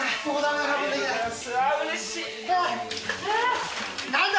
うれしい。